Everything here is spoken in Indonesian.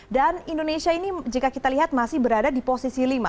dan indonesia ini jika kita lihat masih berada di posisi lima